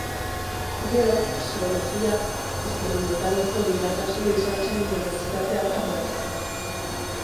Gero, Zoologia Esperimentaleko irakasle izan zen unibertsitate hartan bertan.